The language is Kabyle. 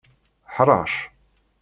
Ḥrec!